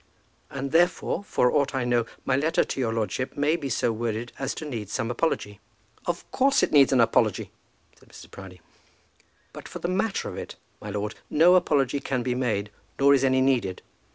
"And therefore, for aught I know, my letter to your lordship may be so worded as to need some apology." "Of course it needs an apology," said Mrs. Proudie. "But for the matter of it, my lord, no apology can be made, nor is any needed.